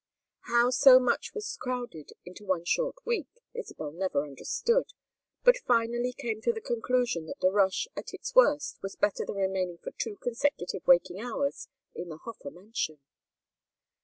How so much was crowded into one short week Isabel never understood, but finally came to the conclusion that the rush at its worst was better than remaining for two consecutive waking hours in the Hofer mansion.